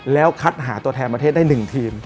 แล้วคัดหาตัวแทนประเทศได้๑ทีม